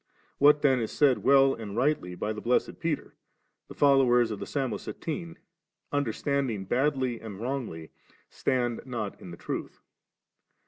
What then is said well and rightly* by the blessed Peter, the fol lowers of the Samosatene, understanding badly and wrongly, stand not in the truth.